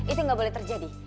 itu gak boleh terjadi